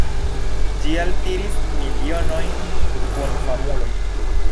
Ĝi altiris milionojn kun famuloj.